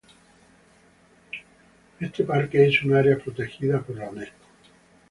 Este parque es un área protegida por la Unesco.